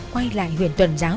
quay lại huyện tuần giáo